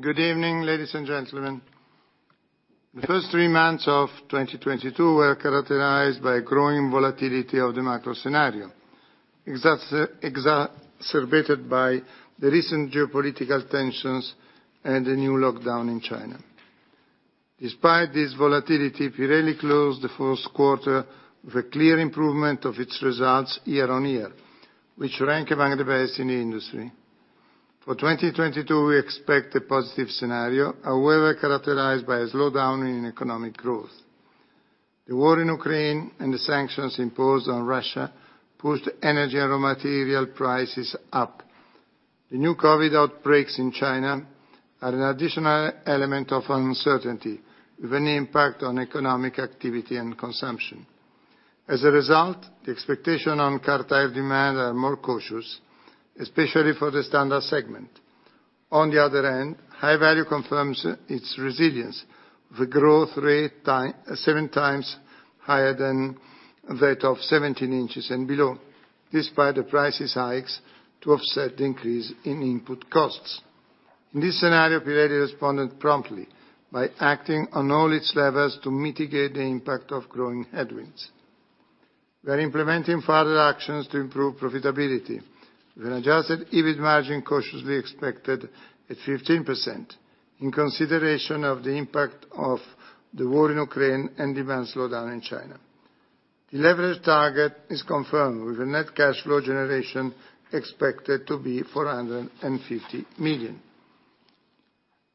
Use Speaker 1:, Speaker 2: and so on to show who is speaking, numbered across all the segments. Speaker 1: Good evening, ladies and gentlemen. The first three months of 2022 were characterized by growing volatility of the macro scenario, exacerbated by the recent geopolitical tensions and the new lockdown in China. Despite this volatility, Pirelli closed the first quarter with a clear improvement of its results year-on-year, which rank among the best in the industry. For 2022, we expect a positive scenario, however characterized by a slowdown in economic growth. The war in Ukraine and the sanctions imposed on Russia pushed energy and raw material prices up. The new COVID outbreaks in China are an additional element of uncertainty with any impact on economic activity and consumption. As a result, the expectation on car tire demand are more cautious, especially for the standard segment. On the other hand, High Value confirms its resilience. 7 times higher than that of 17 inches and below, despite the price hikes to offset the increase in input costs. In this scenario, Pirelli responded promptly by acting on all its levers to mitigate the impact of growing headwinds. We are implementing further actions to improve profitability with an adjusted EBIT margin cautiously expected at 15% in consideration of the impact of the war in Ukraine and demand slowdown in China. The leverage target is confirmed with a net cash flow generation expected to be 450 million.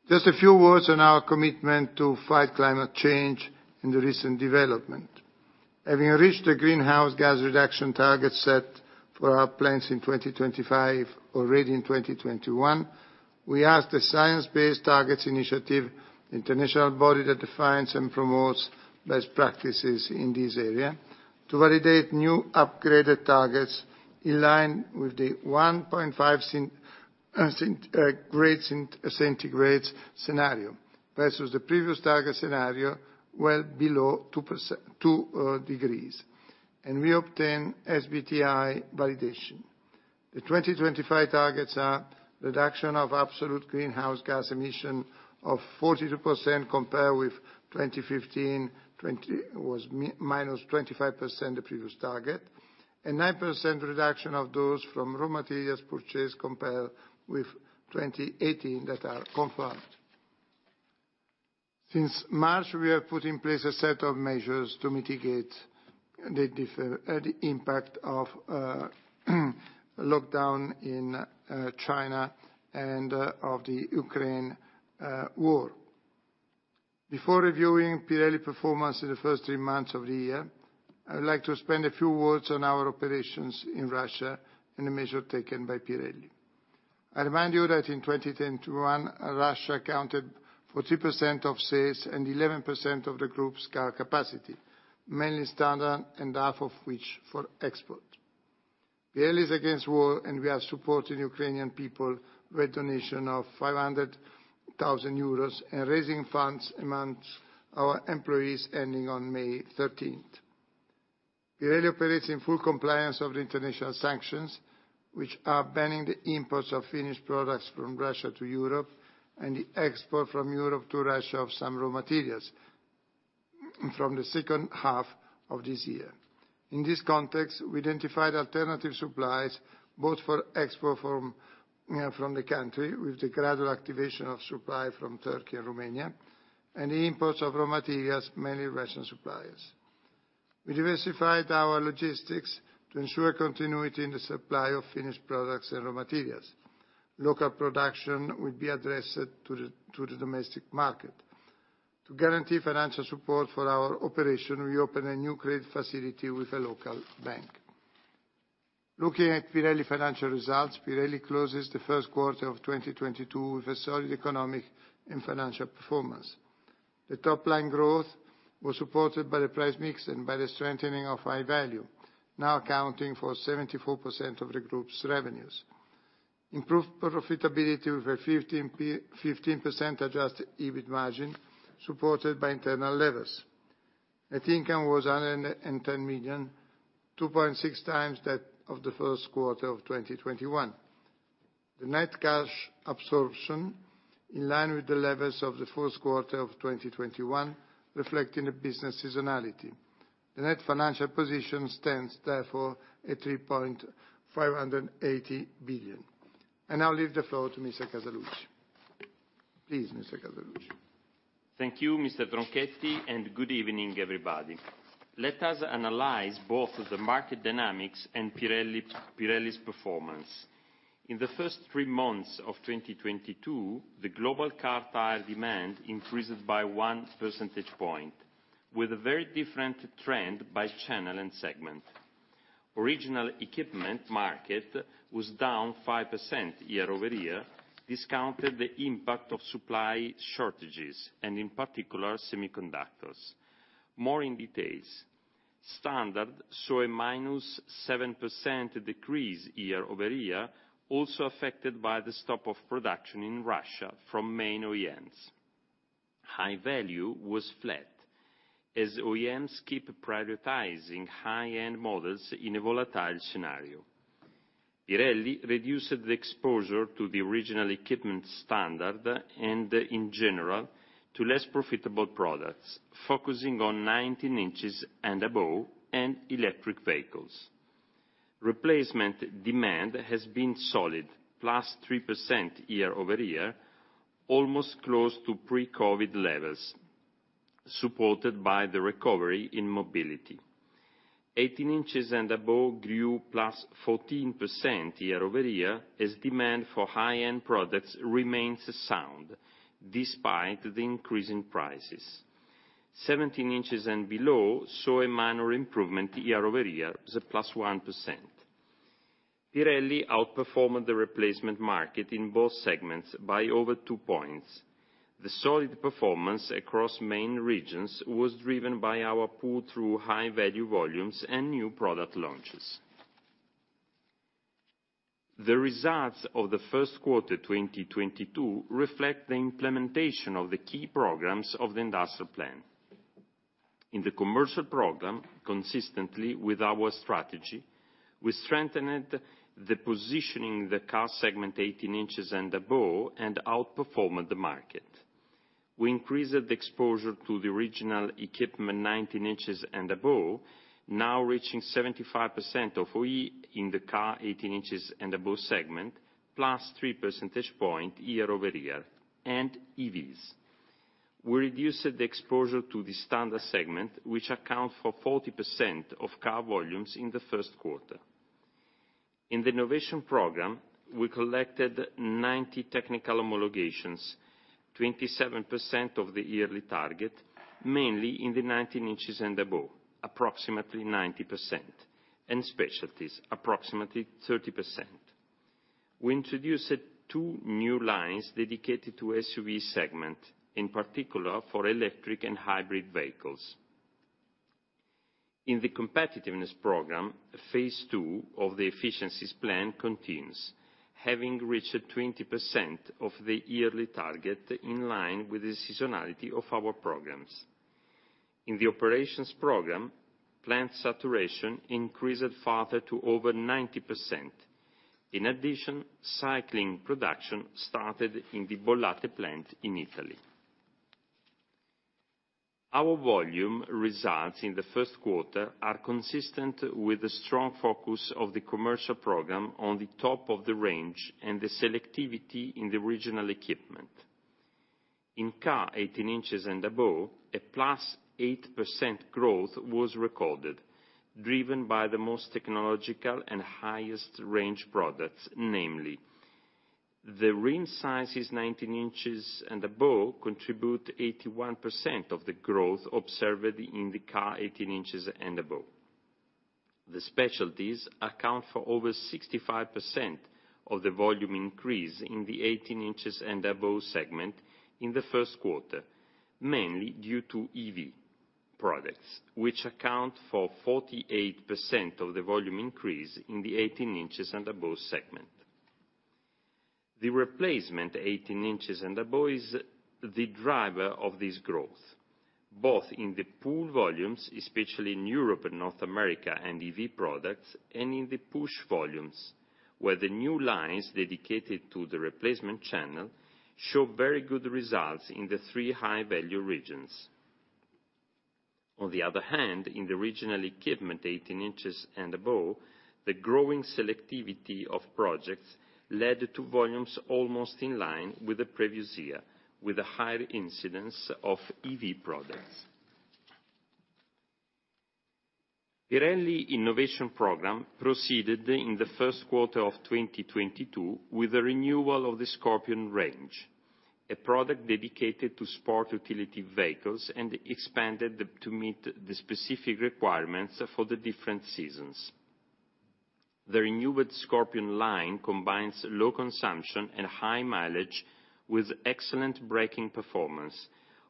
Speaker 1: Just a few words on our commitment to fight climate change and the recent development. Having reached the greenhouse gas reduction target set for our plans in 2025, already in 2021, we asked the Science Based Targets initiative, the international body that defines and promotes best practices in this area, to validate new upgraded targets in line with the 1.5 °C scenario. Versus the previous target scenario well below two degrees, and we obtained SBTI validation. The 2025 targets are reduction of absolute greenhouse gas emission of 42% compared with 2015. The previous target was minus 25%, and 9% reduction of those from raw materials purchased compared with 2018 that are confirmed. Since March, we have put in place a set of measures to mitigate the impact of lockdown in China and of the Ukraine war. Before reviewing Pirelli performance in the first three months of the year, I would like to spend a few words on our operations in Russia and the measures taken by Pirelli. I remind you that in 2021, Russia accounted for 3% of sales and 11% of the group's car capacity, mainly standard and half of which for export. Pirelli is against war, and we are supporting Ukrainian people with donation of 500,000 euros and raising funds amongst our employees ending on May thirteenth. Pirelli operates in full compliance of the international sanctions, which are banning the imports of finished products from Russia to Europe and the export from Europe to Russia of some raw materials from the second half of this year. In this context, we identified alternative supplies both for export from the country with the gradual activation of supply from Turkey and Romania and the imports of raw materials, mainly Russian suppliers. We diversified our logistics to ensure continuity in the supply of finished products and raw materials. Local production will be addressed to the domestic market. To guarantee financial support for our operation, we opened a new credit facility with a local bank. Looking at Pirelli financial results, Pirelli closes the first quarter of 2022 with a solid economic and financial performance. The top line growth was supported by the price mix and by the strengthening of High Value, now accounting for 74% of the group's revenues. Improved profitability with a 15% adjusted EBIT margin supported by internal levels. Net income was 110 million, 2.6 times that of the first quarter of 2021. The net cash absorption in line with the levels of the first quarter of 2021, reflecting the business seasonality. The net financial position stands therefore at 3.58 billion. I now leave the floor to Mr. Casaluci. Please, Mr. Casaluci.
Speaker 2: Thank you, Mr. Tronchetti, and good evening, everybody. Let us analyze both the market dynamics and Pirelli's performance. In the first three months of 2022, the global car tire demand increased by 1 percentage point with a very different trend by channel and segment. Original equipment market was down 5% year-over-year, discounting the impact of supply shortages and in particular semiconductors. More in detail. Standard saw a -7% decrease year-over-year, also affected by the stop of production in Russia from main OEMs. High Value was flat, as OEMs keep prioritizing high-end models in a volatile scenario. Pirelli reduced the exposure to the original equipment standard, and in general, to less profitable products, focusing on 19 inches and above, and electric vehicles. Replacement demand has been solid, +3% year-over-year, almost close to pre-COVID levels, supported by the recovery in mobility. 18 inches and above grew +14% year-over-year as demand for high-end products remains sound, despite the increase in prices. 17 inches and below saw a minor improvement year-over-year, +1%. Pirelli outperformed the replacement market in both segments by over 2 points. The solid performance across main regions was driven by our pull through High Value volumes and new product launches. The results of the first quarter, 2022, reflect the implementation of the key programs of the industrial plan. In the commercial program, consistently with our strategy, we strengthened the positioning in the car segment 18 inches and above, and outperformed the market. We increased the exposure to the original equipment 19 inches and above, now reaching 75% of OE in the car 18 inches and above segment, +3 percentage points year-over-year, and EVs. We reduced the exposure to the standard segment, which accounts for 40% of car volumes in the first quarter. In the innovation program, we collected 90 technical homologations, 27% of the yearly target, mainly in the 19 inches and above, approximately 90%, and specialties, approximately 30%. We introduced 2 new lines dedicated to SUV segment, in particular for electric and hybrid vehicles. In the competitiveness program, Phase II of the efficiencies plan continues, having reached 20% of the yearly target in line with the seasonality of our programs. In the operations program, plant saturation increased further to over 90%. In addition, cycling production started in the Bollate plant in Italy. Our volume results in the first quarter are consistent with the strong focus of the commercial program on the top of the range and the selectivity in the original equipment. In car 18 inches and above, a +8% growth was recorded, driven by the most technological and highest range products, namely, the rim sizes 19 inches and above contribute 81% of the growth observed in the car 18 inches and above. The specialties account for over 65% of the volume increase in the 18 inches and above segment in the first quarter, mainly due to EV products, which account for 48% of the volume increase in the 18 inches and above segment. The replacement 18 inches and above is the driver of this growth, both in the pull volumes, especially in Europe and North America and EV products, and in the push volumes, where the new lines dedicated to the replacement channel show very good results in the three High Value regions. On the other hand, in the original equipment 18 inches and above, the growing selectivity of projects led to volumes almost in line with the previous year, with a higher incidence of EV products. Pirelli innovation program proceeded in the first quarter of 2022 with the renewal of the Scorpion range, a product dedicated to sport utility vehicles and expanded to meet the specific requirements for the different seasons. The renewed Scorpion line combines low consumption and high mileage with excellent braking performance,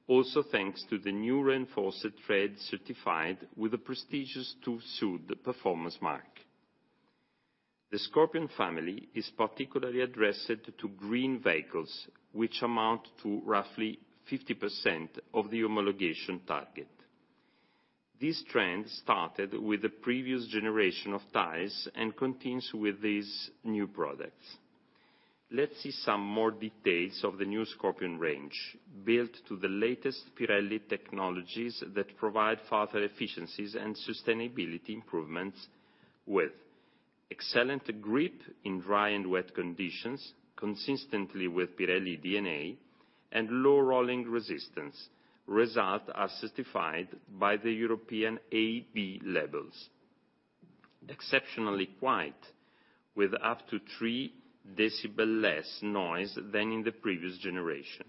Speaker 2: also thanks to the new reinforced tread certified with the prestigious TÜV SÜD Performance Mark. The Scorpion family is particularly addressed to green vehicles, which amount to roughly 50% of the homologation target. This trend started with the previous generation of tires and continues with these new products. Let's see some more details of the new Scorpion range, built to the latest Pirelli technologies that provide further efficiencies and sustainability improvements with excellent grip in dry and wet conditions, consistently with Pirelli DNA, and low rolling resistance. Result are certified by the European A/B labels. Exceptionally quiet, with up to 3 decibel less noise than in the previous generation.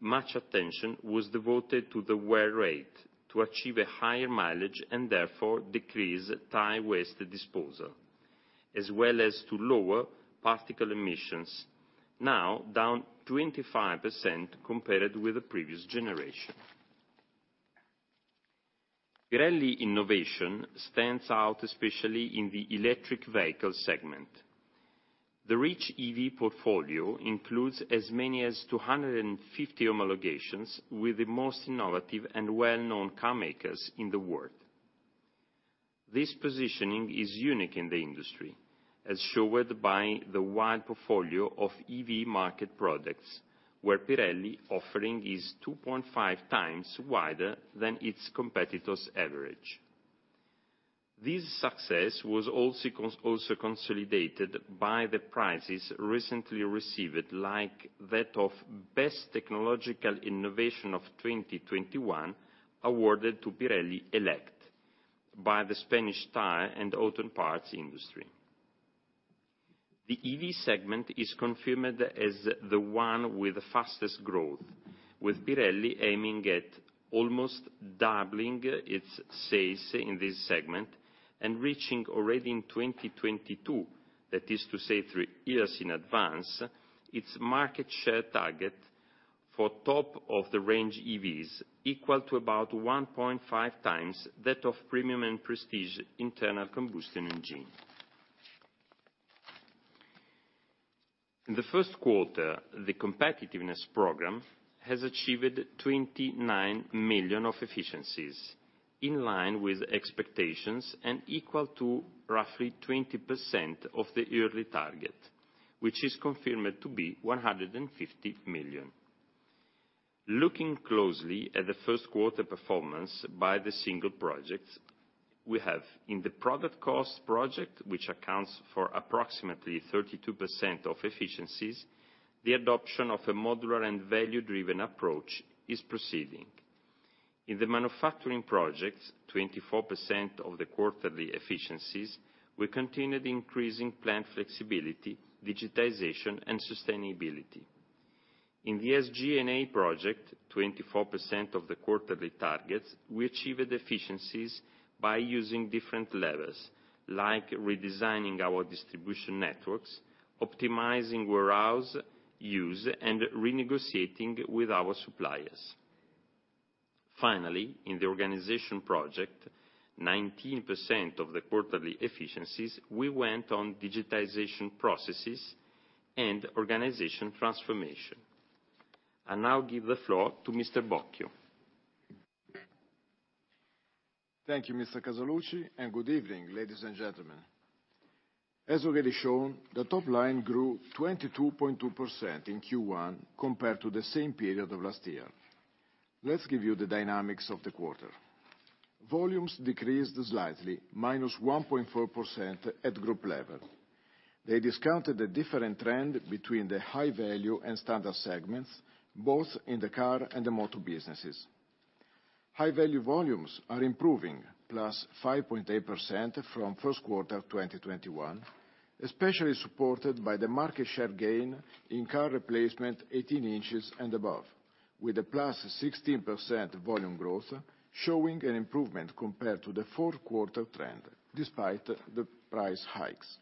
Speaker 2: Much attention was devoted to the wear rate to achieve a higher mileage, and therefore, decrease tire waste disposal, as well as to lower particle emissions, now down 25% compared with the previous generation. Pirelli innovation stands out especially in the electric vehicle segment. The rich EV portfolio includes as many as 250 homologations with the most innovative and well-known car makers in the world. This positioning is unique in the industry, as shown by the wide portfolio of EV market products, where Pirelli offering is 2.5 times wider than its competitors' average. This success was also also consolidated by the prizes recently received, like that of best technological innovation of 2021, awarded to Pirelli Elect by the Spanish Tire and Auto Parts Industry. The EV segment is confirmed as the one with the fastest growth, with Pirelli aiming at almost doubling its sales in this segment and reaching already in 2022, that is to say three years in advance, its market share target for top of the range EVs, equal to about 1.5 times that of premium and prestige internal combustion engine. In the first quarter, the competitiveness program has achieved 29 million of efficiencies, in line with expectations and equal to roughly 20% of the yearly target, which is confirmed to be 150 million. Looking closely at the first quarter performance by the single projects, we have in the product cost project, which accounts for approximately 32% of efficiencies. The adoption of a modular and value-driven approach is proceeding. In the manufacturing projects, 24% of the quarterly efficiencies, we continued increasing plant flexibility, digitization, and sustainability. In the SG&A project, 24% of the quarterly targets, we achieved efficiencies by using different levels, like redesigning our distribution networks, optimizing warehouse use, and renegotiating with our suppliers. Finally, in the organization project, 19% of the quarterly efficiencies, we went on digitization processes and organization transformation. I now give the floor to Mr. Bocchio.
Speaker 3: Thank you, Mr. Casaluci, and good evening, ladies and gentlemen. As already shown, the top line grew 22.2% in Q1 compared to the same period of last year. Let's give you the dynamics of the quarter. Volumes decreased slightly, -1.4% at group level. They discounted a different trend between the High Value and standard segments, both in the car and the motor businesses. High Value volumes are improving, +5.8% from first quarter 2021, especially supported by the market share gain in car replacement 18 inches and above, with a +16% volume growth, showing an improvement compared to the fourth quarter trend, despite the price hikes.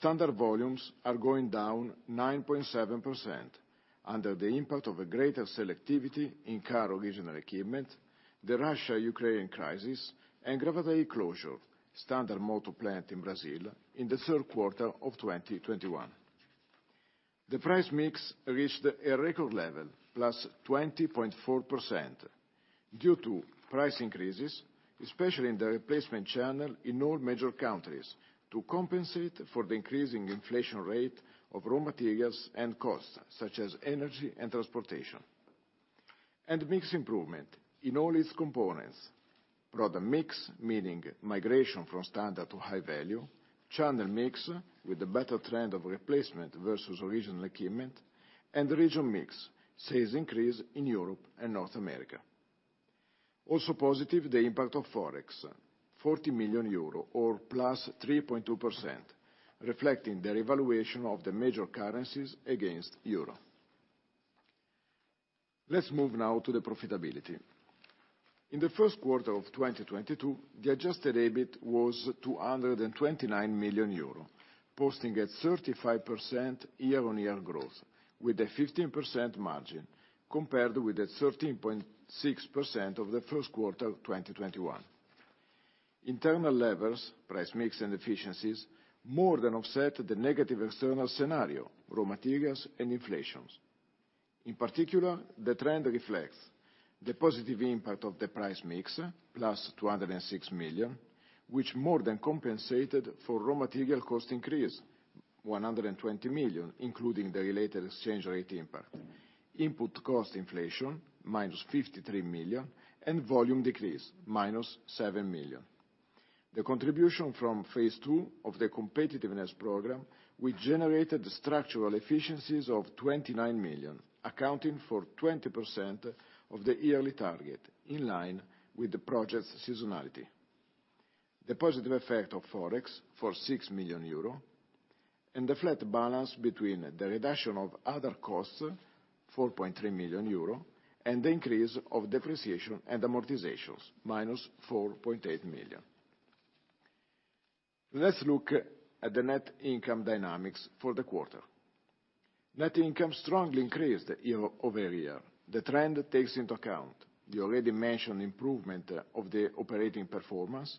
Speaker 3: Standard volumes are going down 9.7% under the impact of a greater selectivity in car original equipment, the Russo-Ukrainian crisis, and Gravataí closure, standard motor plant in Brazil, in the third quarter of 2021. The price mix reached a record level, +20.4%, due to price increases, especially in the replacement channel in all major countries, to compensate for the increasing inflation rate of raw materials and costs, such as energy and transportation. Mix improvement in all its components. Product mix, meaning migration from standard to High Value. Channel mix, with the better trend of replacement versus original equipment. Region mix, sales increase in Europe and North America. Also positive, the impact of forex, 40 million euro or +3.2%, reflecting the revaluation of the major currencies against the euro. Let's move now to the profitability. In the first quarter of 2022, the adjusted EBIT was 229 million euro, posting a 35% year-on-year growth with a 15% margin compared with the 13.6% of the first quarter of 2021. Internal levers, price mix and efficiencies, more than offset the negative external scenario, raw materials and inflation. In particular, the trend reflects the positive impact of the price mix, +206 million, which more than compensated for raw material cost increase, 120 million, including the related exchange rate impact, input cost inflation, -53 million, and volume decrease, -7 million. The contribution from Phase II of the competitiveness program, which generated structural efficiencies of 29 million, accounting for 20% of the yearly target, in line with the project's seasonality. The positive effect of forex for 6 million euro, and the flat balance between the reduction of other costs, 4.3 million euro, and the increase of depreciation and amortizations, -4.8 million. Let's look at the net income dynamics for the quarter. Net income strongly increased year-over-year. The trend takes into account the already mentioned improvement of the operating performance,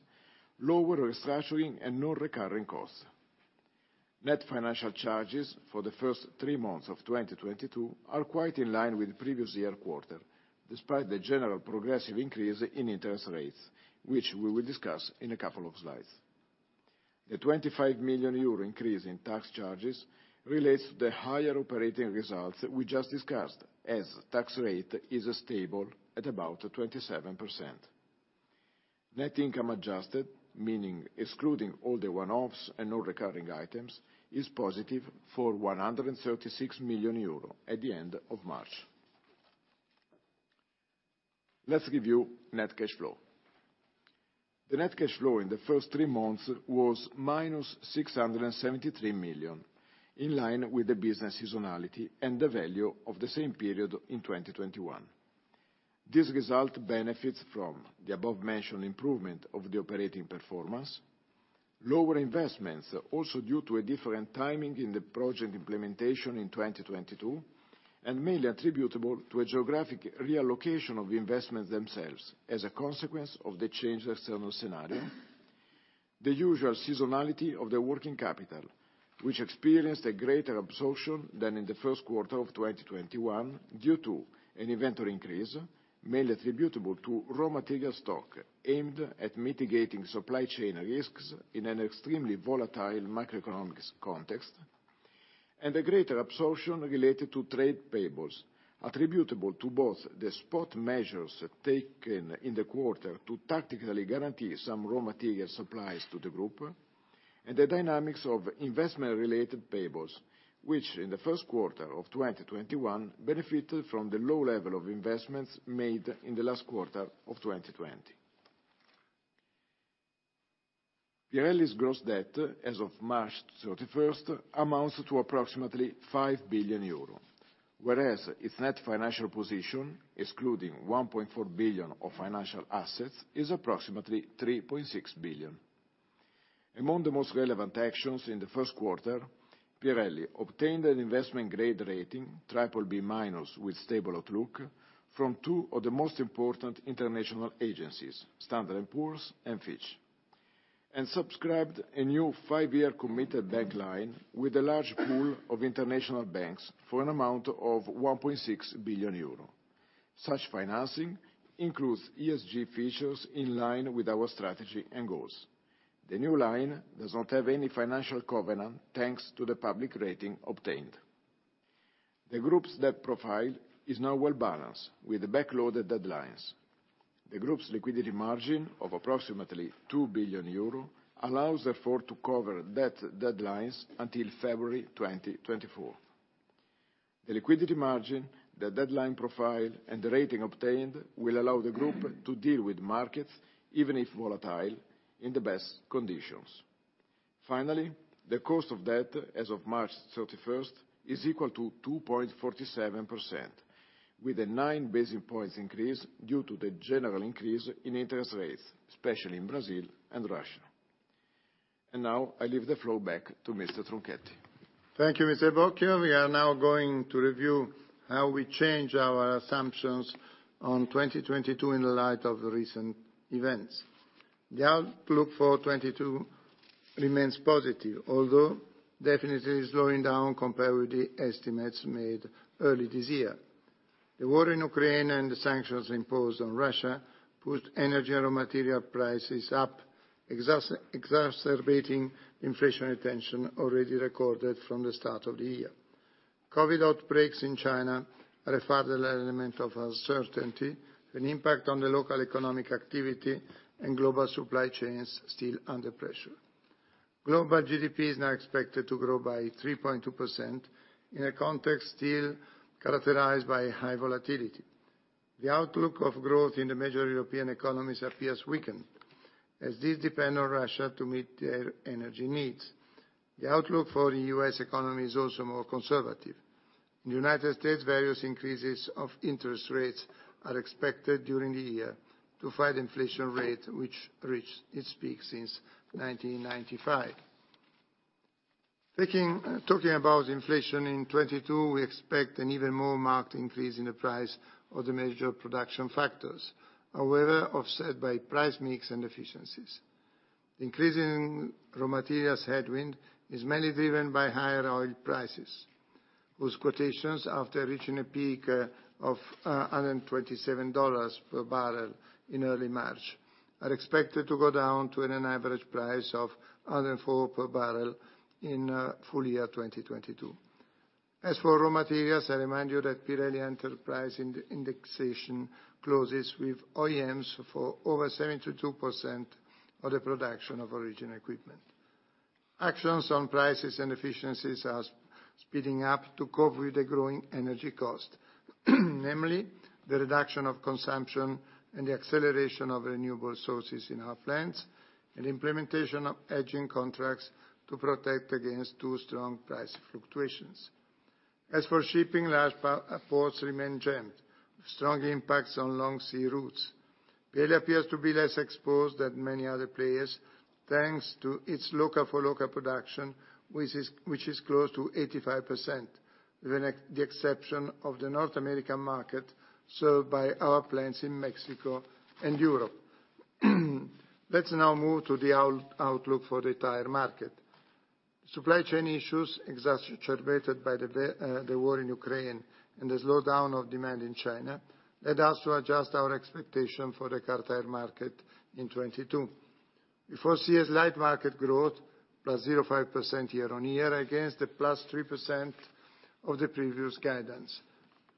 Speaker 3: lower restructuring, and non-recurring costs. Net financial charges for the first three months of 2022 are quite in line with previous year quarter, despite the general progressive increase in interest rates, which we will discuss in a couple of slides. The 25 million euro increase in tax charges relates to the higher operating results that we just discussed, as tax rate is stable at about 27%. Net income adjusted, meaning excluding all the one-offs and non-recurring items, is positive for 136 million euro at the end of March. Let's review net cash flow. The net cash flow in the first three months was -673 million, in line with the business seasonality and the value of the same period in 2021. This result benefits from the above mentioned improvement of the operating performance. Lower investments are also due to a different timing in the project implementation in 2022, and mainly attributable to a geographic reallocation of the investments themselves as a consequence of the changed external scenario. The usual seasonality of the working capital, which experienced a greater absorption than in the first quarter of 2021 due to an inventory increase, mainly attributable to raw material stock aimed at mitigating supply chain risks in an extremely volatile macroeconomic context. A greater absorption related to trade payables attributable to both the spot measures taken in the quarter to tactically guarantee some raw material supplies to the group, and the dynamics of investment related payables, which in the first quarter of 2021 benefited from the low level of investments made in the last quarter of 2020. Pirelli's gross debt as of March 31st amounts to approximately 5 billion euro, whereas its net financial position, excluding 1.4 billion of financial assets, is approximately 3.6 billion. Among the most relevant actions in the first quarter, Pirelli obtained an investment grade rating BBB- with stable outlook from two of the most important international agencies, Standard & Poor's and Fitch. Subscribed a new five-year committed bank line with a large pool of international banks for an amount of 1.6 billion euro. Such financing includes ESG features in line with our strategy and goals. The new line does not have any financial covenant, thanks to the public rating obtained. The group's debt profile is now well balanced with the backloaded deadlines. The group's liquidity margin of approximately 2 billion euro allows, therefore, to cover debt deadlines until February 2024. The liquidity margin, the deadline profile, and the rating obtained will allow the group to deal with markets, even if volatile, in the best conditions. Finally, the cost of debt as of March 31st is equal to 2.47%, with a nine basis points increase due to the general increase in interest rates, especially in Brazil and Russia. Now I leave the floor back to Mr. Tronchetti.
Speaker 1: Thank you, Mr. Bocchio. We are now going to review how we change our assumptions on 2022 in the light of the recent events. The outlook for 2022 remains positive, although definitely slowing down compared with the estimates made early this year. The war in Ukraine and the sanctions imposed on Russia put energy and raw material prices up, exacerbating inflationary tension already recorded from the start of the year. COVID outbreaks in China are a further element of uncertainty, and an impact on the local economic activity and global supply chains still under pressure. Global GDP is now expected to grow by 3.2% in a context still characterized by high volatility. The outlook of growth in the major European economies appears weakened, as these depend on Russia to meet their energy needs. The outlook for the U.S. economy is also more conservative. In the United States, various increases of interest rates are expected during the year to fight inflation rate, which reached its peak since 1995. Talking about inflation in 2022, we expect an even more marked increase in the price of the major production factors, however, offset by price mix and efficiencies. Increasing raw materials headwind is mainly driven by higher oil prices, whose quotations, after reaching a peak of $127 per barrel in early March, are expected to go down to an average price of $104 per barrel in full year 2022. As for raw materials, I remind you that Pirelli enterprise indexation closes with OEMs for over 72% of the production of original equipment. Actions on prices and efficiencies are speeding up to cope with the growing energy cost, namely the reduction of consumption and the acceleration of renewable sources in our plants, and implementation of hedging contracts to protect against too strong price fluctuations. As for shipping, large ports remain jammed, with strong impacts on long sea routes. Pirelli appears to be less exposed than many other players, thanks to its local for local production, which is close to 85%, with the exception of the North American market served by our plants in Mexico and Europe. Let's now move to the outlook for the tire market. Supply chain issues exacerbated by the war in Ukraine and the slowdown of demand in China led us to adjust our expectation for the car tire market in 2022. We foresee a slight market growth, +0.5% year-on-year against the +3% of the previous guidance.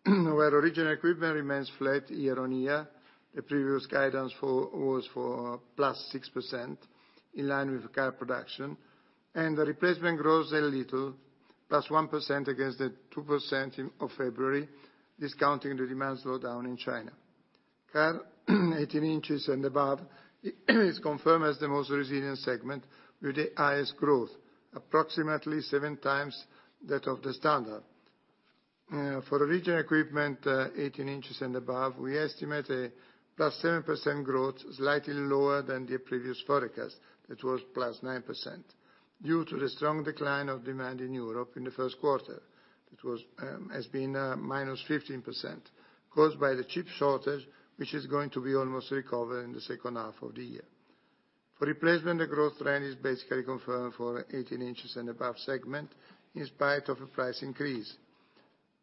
Speaker 1: Original equipment remains flat year-on-year. The previous guidance was for +6%, in line with car production, and the replacement grows a little, +1% against the 2% in February, discounting the demand slowdown in China. Cars 18 inches and above is confirmed as the most resilient segment with the highest growth, approximately seven times that of the standard. For original equipment, 18 inches and above, we estimate a +7% growth, slightly lower than the previous forecast, that was +9%, due to the strong decline of demand in Europe in the first quarter. It was, has been, -15% caused by the chip shortage, which is going to be almost recovered in the second half of the year. For replacement, the growth trend is basically confirmed for 18 inches and above segment in spite of a price increase.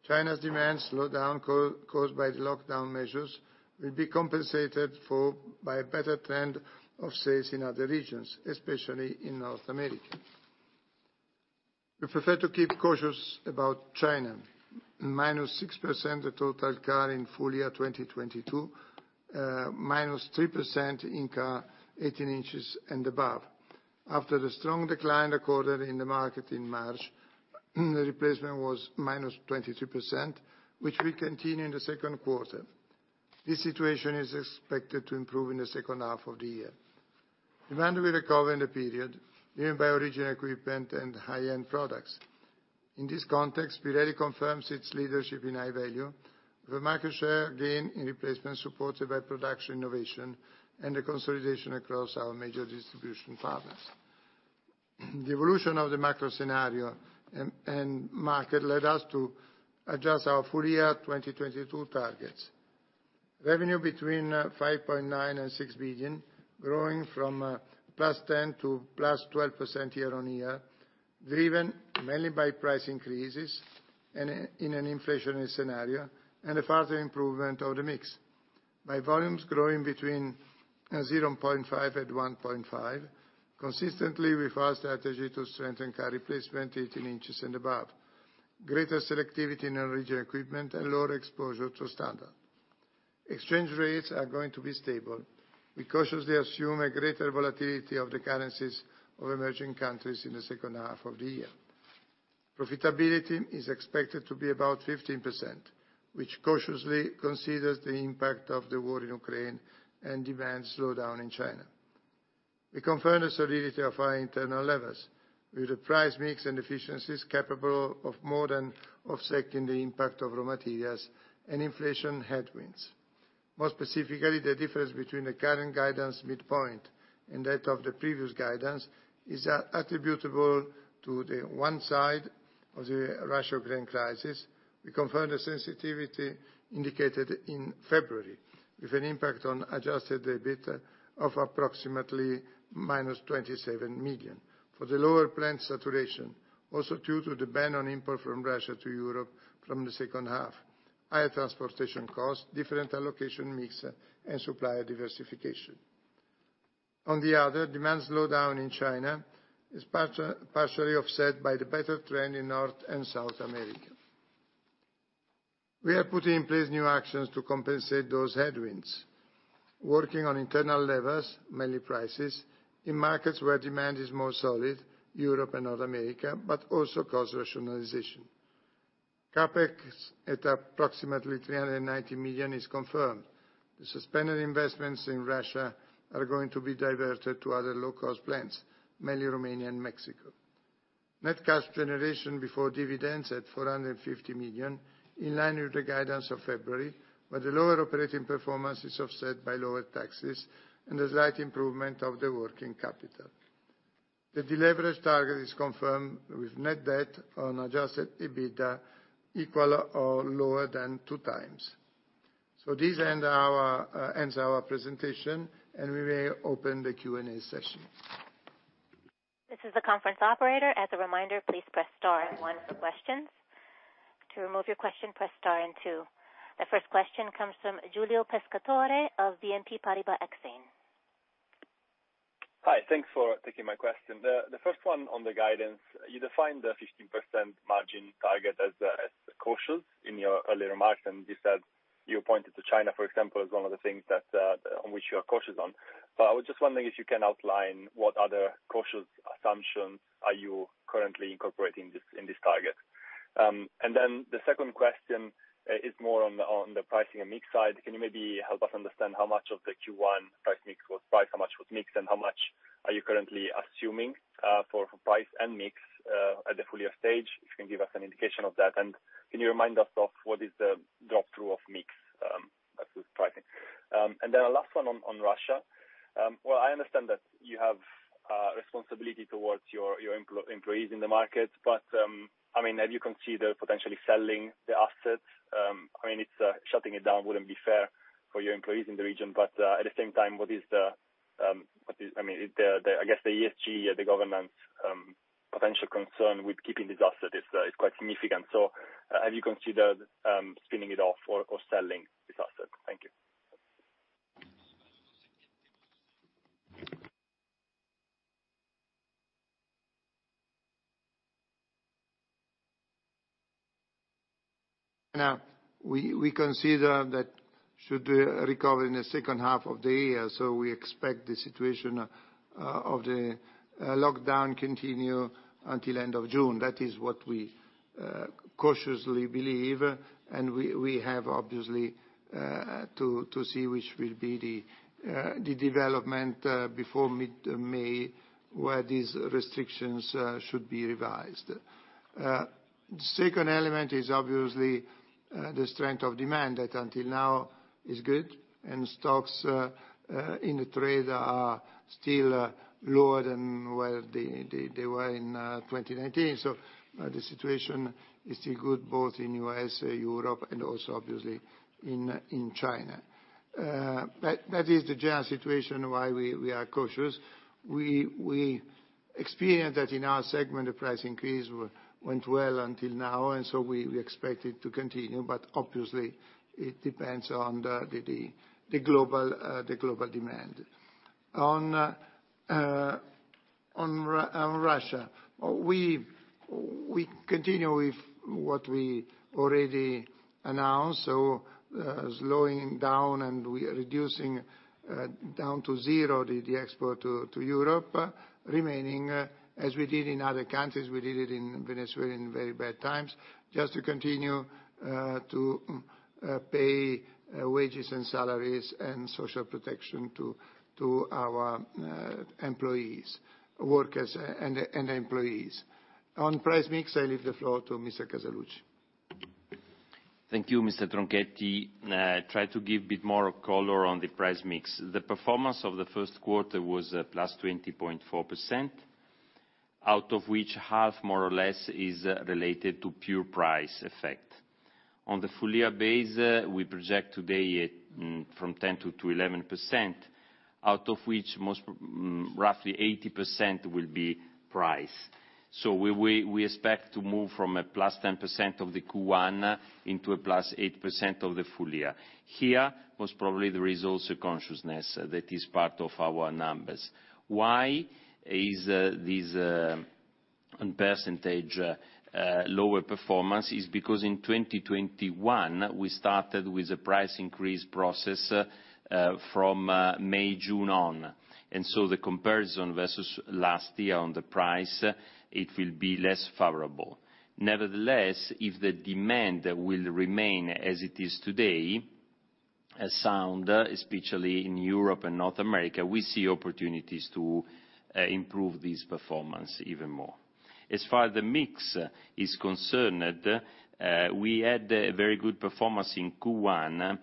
Speaker 1: China's demand slowdown caused by the lockdown measures will be compensated for by a better trend of sales in other regions, especially in North America. We prefer to keep cautious about China. -6% the total car in full year 2022, -3% in car 18 inches and above. After the strong decline recorded in the market in March, the replacement was -22%, which will continue in the second quarter. This situation is expected to improve in the second half of the year. Demand will recover in the period, driven by original equipment and high-end products. In this context, Pirelli confirms its leadership in High Value, with a market share gain in replacement supported by production innovation and the consolidation across our major distribution partners. The evolution of the macro scenario and market led us to adjust our full year 2022 targets. Revenue between 5.9 billion and 6 billion, growing from +10% to +12% year-on-year, driven mainly by price increases and in an inflationary scenario and a further improvement of the mix. Volumes growing between 0.5% and 1.5%, consistently with our strategy to strengthen car replacement 18 inches and above. Greater selectivity in original equipment and lower exposure to standard. Exchange rates are going to be stable. We cautiously assume a greater volatility of the currencies of emerging countries in the second half of the year. Profitability is expected to be about 15%, which cautiously considers the impact of the war in Ukraine and demand slowdown in China. We confirm the solidity of our internal levels with the price mix and efficiencies capable of more than offsetting the impact of raw materials and inflation headwinds. More specifically, the difference between the current guidance midpoint and that of the previous guidance is attributable to the one side of the Russia-Ukraine crisis. We confirm the sensitivity indicated in February, with an impact on adjusted EBIT of approximately -27 million. For the lower plant saturation, also due to the ban on import from Russia to Europe from the second half, higher transportation costs, different allocation mix and supplier diversification. On the other, demand slowdown in China is partially offset by the better trend in North and South America. We are putting in place new actions to compensate those headwinds, working on internal levers, mainly prices, in markets where demand is more solid, Europe and North America, but also cost rationalization. CapEx at approximately 390 million is confirmed. The suspended investments in Russia are going to be diverted to other low-cost plants, mainly Romania and Mexico. Net cash generation before dividends at 450 million, in line with the guidance of February, where the lower operating performance is offset by lower taxes and a slight improvement of the working capital. The deleverage target is confirmed with net debt on adjusted EBITDA equal or lower than 2x. This ends our presentation, and we will open the Q&A session.
Speaker 4: This is the conference operator. As a reminder, please press star one for questions. To remove your question, press star and two. The first question comes from Giulio Pescatore of BNP Paribas Exane.
Speaker 5: Hi. Thanks for taking my question. The first one on the guidance, you defined the 15% margin target as cautious in your earlier remarks, and you said you pointed to China, for example, as one of the things that on which you are cautious on. I was just wondering if you can outline what other cautious assumptions are you currently incorporating this, in this target. The second question is more on the pricing and mix side. Can you maybe help us understand how much of the Q1 price mix was price, how much was mix, and how much. Are you currently assuming for price and mix at the full year stage? If you can give us an indication of that. Can you remind us of what is the drop-through of mix. A last one on Russia. Well, I understand that you have responsibility towards your employees in the market, but I mean, have you considered potentially selling the assets? I mean, it's shutting it down wouldn't be fair for your employees in the region, but at the same time, what is the I mean, I guess, the ESG, the governmental potential concern with keeping this asset is quite significant. Have you considered spinning it off or selling this asset? Thank you.
Speaker 1: Now, we consider that should recover in the second half of the year, so we expect the situation of the lockdown continue until end of June. That is what we cautiously believe, and we have obviously to see which will be the development before mid-May, where these restrictions should be revised. The second element is obviously the strength of demand that until now is good and stocks in the trade are still lower than where they were in 2019. The situation is still good both in U.S., Europe, and also obviously in China. That is the general situation why we are cautious. We experienced that in our segment, the price increase went well until now, and so we expect it to continue. Obviously, it depends on the global demand. On Russia, we continue with what we already announced, so slowing down and we are reducing down to zero the export to Europe. Remaining, as we did in other countries, we did it in Venezuela in very bad times, just to continue to pay wages and salaries and social protection to our employees, workers and employees. On price mix, I leave the floor to Mr. Casaluci.
Speaker 2: Thank you, Mr. Tronchetti. Try to give a bit more color on the price mix. The performance of the first quarter was +20.4%, out of which half more or less is related to pure price effect. On the full year base, we project today it from 10%-11%, out of which most, roughly 80% will be price. We expect to move from a +10% of the Q1 into a +8% of the full year. Here was probably the results consensus that is part of our numbers. Why is this on percentage lower performance? Is because in 2021, we started with a price increase process from May, June on. The comparison versus last year on the price, it will be less favorable. Nevertheless, if the demand will remain as it is today sound, especially in Europe and North America, we see opportunities to improve this performance even more. As far as the mix is concerned, we had a very good performance in Q1,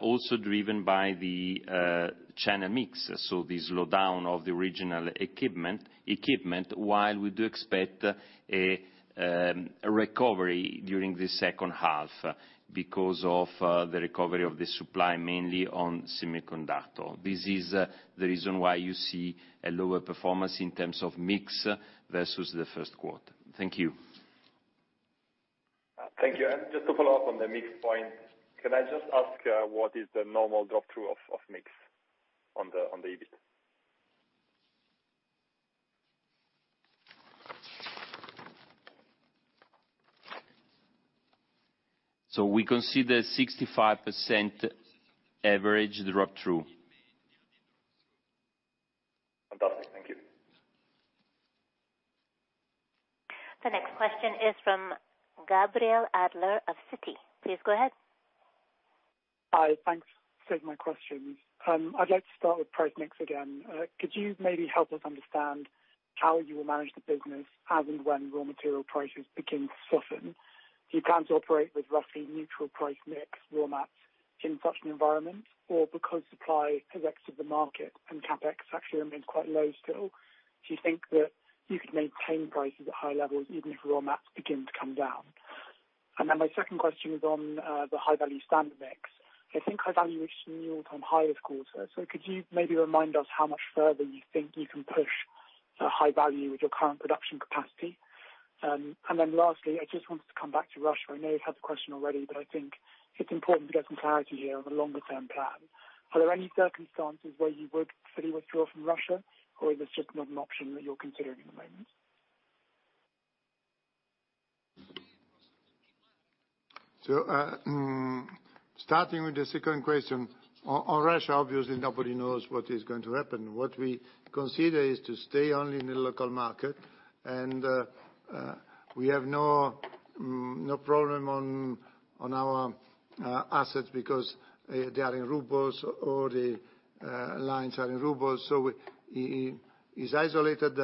Speaker 2: also driven by the China mix, so the slowdown of the original equipment while we do expect a recovery during the second half because of the recovery of the supply mainly on semiconductor. This is the reason why you see a lower performance in terms of mix versus the first quarter. Thank you.
Speaker 5: Thank you. Just to follow up on the mix point, can I just ask what is the normal drop-through of mix on the EBIT?
Speaker 2: We consider 65% average drop-through.
Speaker 5: Fantastic. Thank you.
Speaker 4: The next question is from Gabriel Adler of Citi. Please go ahead.
Speaker 6: Hi. Thanks. Save my questions. I'd like to start with price mix again. Could you maybe help us understand how you will manage the business as and when raw material prices begin to soften? Do you plan to operate with roughly neutral price mix raw mats in such an environment? Or because supply has exited the market and CapEx actually remains quite low still, do you think that you could maintain prices at high levels even if raw mats begin to come down? My second question is on the High Value standard mix. I think High Value is near all-time high this quarter. Could you maybe remind us how much further you think you can push High Value with your current production capacity? Lastly, I just wanted to come back to Russia. I know you've had the question already, but I think it's important to get some clarity here on the longer term plan. Are there any circumstances where you would fully withdraw from Russia, or is it just not an option that you're considering at the moment?
Speaker 1: Starting with the second question. On Russia, obviously nobody knows what is going to happen. What we consider is to stay only in the local market and we have no problem on our assets because they are in rubles or the lines are in rubles. It's isolated,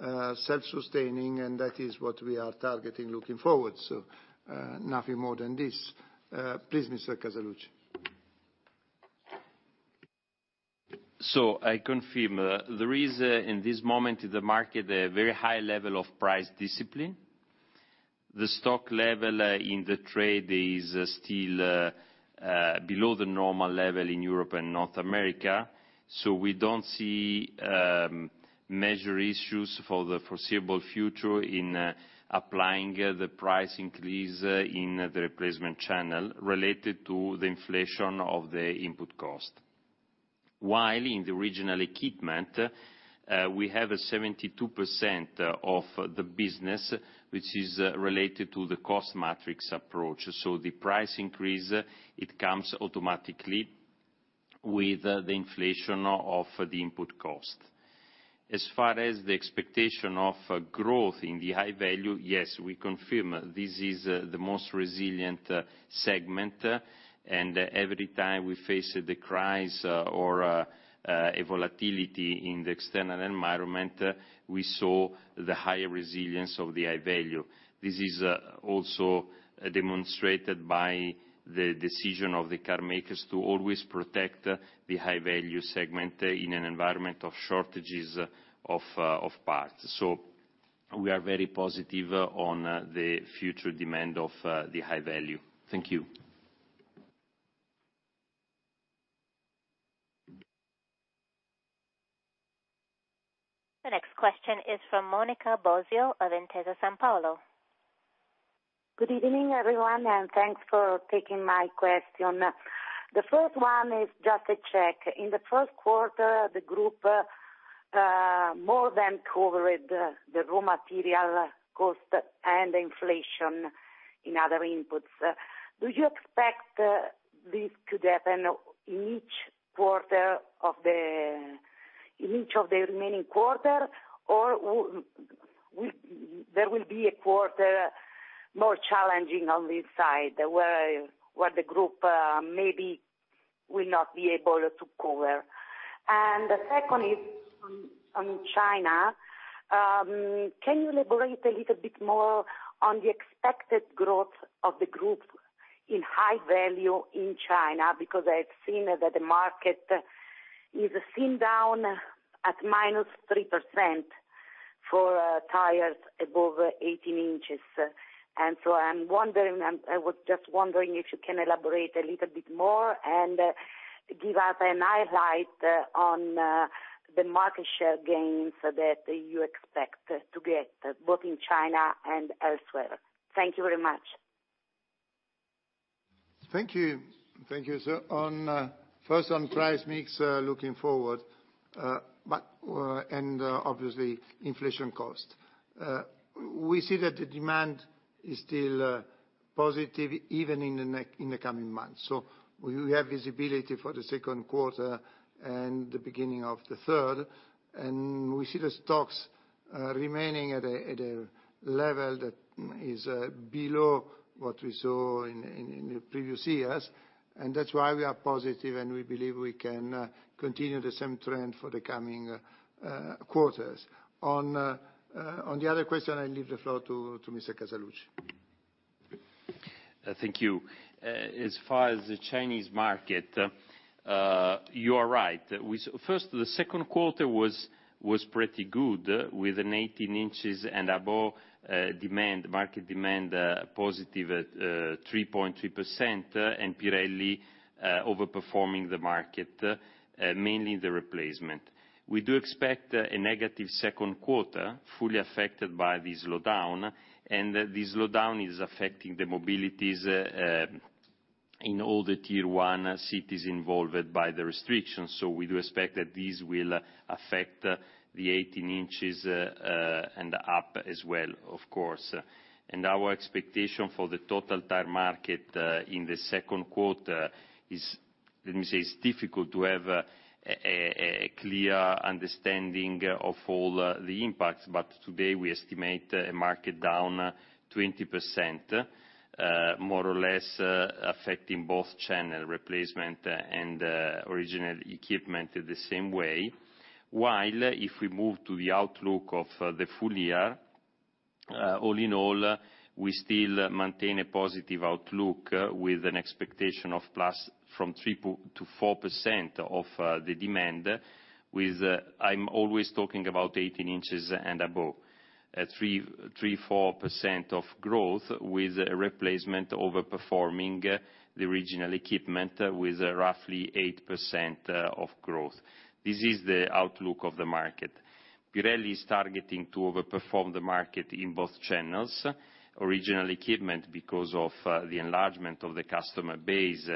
Speaker 1: self-sustaining, and that is what we are targeting looking forward. Nothing more than this. Please, Mr. Casaluci.
Speaker 2: I confirm, there is, in this moment, in the market a very high level of price discipline. The stock level in the trade is still below the normal level in Europe and North America, so we don't see major issues for the foreseeable future in applying the price increase in the replacement channel related to the inflation of the input cost. While in the original equipment, we have a 72% of the business which is related to the cost matrix approach. The price increase, it comes automatically with the inflation of the input cost. As far as the expectation of growth in the High Value, yes, we confirm this is the most resilient segment, and every time we face the crisis or a volatility in the external environment, we saw the higher resilience of the High Value. This is also demonstrated by the decision of the car makers to always protect the High Value segment in an environment of shortages of parts. We are very positive on the future demand of the High Value. Thank you.
Speaker 4: The next question is from Monica Bosio of Intesa Sanpaolo.
Speaker 7: Good evening, everyone, thanks for taking my question. The first one is just a check. In the first quarter, the group more than covered the raw material cost and inflation in other inputs. Do you expect this to happen each of the remaining quarters or will there be a quarter more challenging on this side where the group maybe will not be able to cover? The second is on China. Can you elaborate a little bit more on the expected growth of the group in High Value in China? Because I've seen that the market is down at -3% for tires above 18 inches. I'm wondering, I was just wondering if you can elaborate a little bit more and give us a highlight on the market share gains that you expect to get, both in China and elsewhere. Thank you very much.
Speaker 1: Thank you. Thank you. First on price mix, looking forward, obviously inflation cost. We see that the demand is still positive even in the coming months. We have visibility for the second quarter and the beginning of the third, and we see the stocks remaining at a level that is below what we saw in the previous years. That's why we are positive, and we believe we can continue the same trend for the coming quarters. On the other question, I leave the floor to Mr. Casaluci.
Speaker 2: Thank you. As far as the Chinese market, you are right. First, the second quarter was pretty good with an 18-inch and above demand, market demand positive at 3.3%, and Pirelli overperforming the market mainly in the replacement. We do expect a negative second quarter, fully affected by this slowdown, and this slowdown is affecting the mobility in all the tier one cities involved by the restrictions. We do expect that this will affect the 18-inch and up as well, of course. Our expectation for the total tire market in the second quarter is, let me say, it's difficult to have a clear understanding of all the impacts. Today, we estimate a market down 20%, more or less affecting both channel replacement and original equipment the same way. While if we move to the outlook of the full year, all in all, we still maintain a positive outlook with an expectation of plus from 3%-4% of the demand with, I'm always talking about 18 inches and above. At 3%-4% growth with replacement overperforming the original equipment with roughly 8% growth. This is the outlook of the market. Pirelli is targeting to overperform the market in both channels. Original equipment because of the enlargement of the customer base,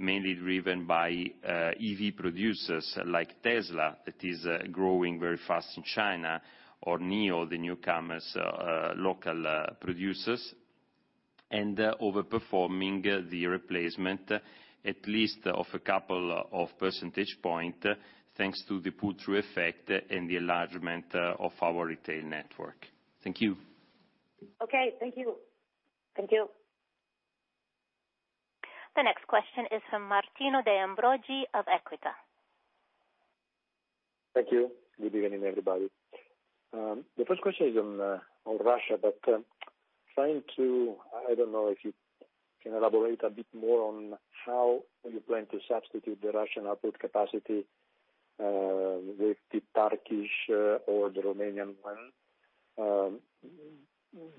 Speaker 2: mainly driven by EV producers like Tesla that is growing very fast in China or NIO, the newcomers, local producers. Overperforming the replacement, at least a couple of percentage points, thanks to the pull-through effect and the enlargement of our retail network. Thank you.
Speaker 7: Okay, thank you.
Speaker 4: Thank you. The next question is from Martino De Ambroggi of Equita.
Speaker 8: Thank you. Good evening, everybody. The first question is on Russia. I don't know if you can elaborate a bit more on how you plan to substitute the Russian output capacity with the Turkish or the Romanian one.